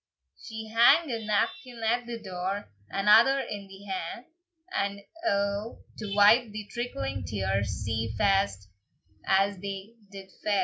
She hang ae napkin at the door, Another in the ha, And a' to wipe the trickling tears, Sae fast as they did fa.